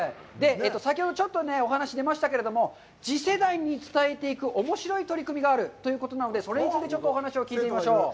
先ほどちょっとお話が出ましたけれども、次世代に伝えていくおもしろい取り組みがあるということなので、それについてちょっとお話を聞いてみましょう。